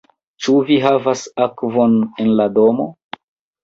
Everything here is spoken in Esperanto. Ĉu vi havas akvon en la domo?